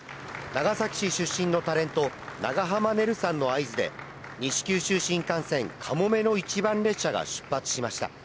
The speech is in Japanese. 長崎市出身のタレント、長濱ねるさんの合図で西九州新幹線・かもめの１番列車が出発しました。